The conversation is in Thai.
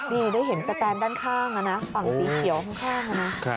นี่ได้เห็นสแตนด้านข้างนะฝั่งสีเขียวข้างนะ